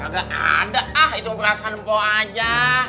gak ada ah itu perasaan bawa aja